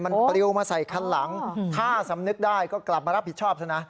มันปลิวมาใส่คันหลังถ้าสำนึกได้ก็กลับมารับผิดชอบซะนะ